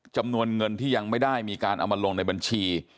จำนวนเงินที่ยังไม่ได้มีการเอามาลงในบัญชี